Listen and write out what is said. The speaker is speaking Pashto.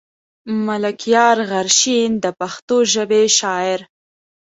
ملکيار غرشين د پښتو ژبې شاعر.